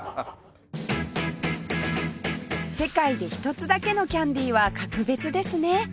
世界で一つだけのキャンディーは格別ですね！